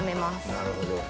なるほど。